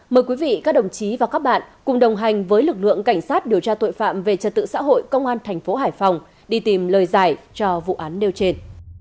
mời quý vị các đồng chí và các bạn cùng đồng hành với lực lượng cảnh sát điều tra tội phạm về trật tự xã hội công an thành phố hải phòng đi tìm lời giải cho vụ án nêu trên